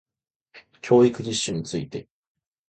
教育実習について